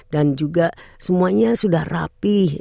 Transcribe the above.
dan juga semuanya sudah rapi